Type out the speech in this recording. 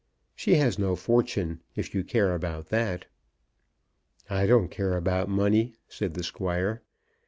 "She has no fortune, if you care about that." "I don't care about money," said the Squire.